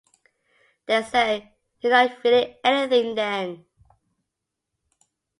They say, 'You're not really anything, then.